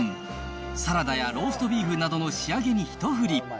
サラダやローストビーフなどの仕上げに一振り。